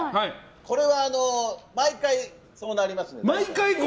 これは毎回そうなります。